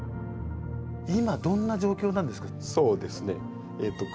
今どんな状況なんですか？